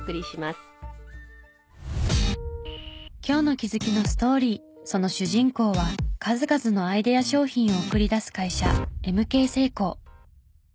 今日の気づきのストーリーその主人公は数々のアイデア商品を送り出す会社。